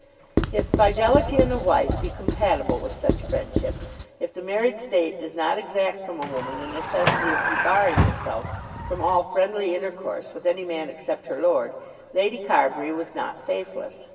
If fidelity in a wife be compatible with such friendship, if the married state does not exact from a woman the necessity of debarring herself from all friendly intercourse with any man except her lord, Lady Carbury was not faithless.